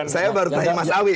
saya baru tanya mas awi